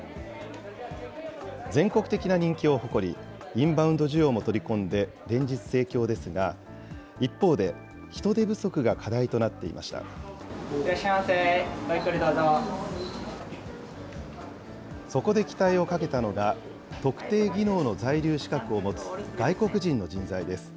全国的な人気を誇る、インバウンド需要も取り込んで連日盛況ですが、一方で、人手不足が課題となそこで期待を懸けたのが、特定技能の在留資格を持つ外国人の人材です。